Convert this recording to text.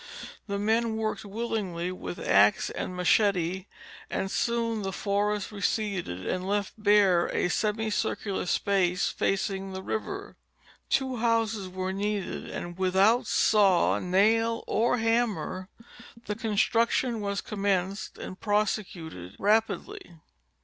The men worked willingly with axe and machete, and soon the forest receded and left bare a semi circular space facing the river. Two houses were needed and without saw, nail or hammer the construction was commenced and prosecuted rapidly.